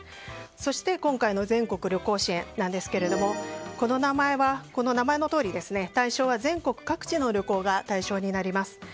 そして、今回の全国旅行支援なんですがこの名前は名前のとおり対象は全国各地の旅行が対象になります。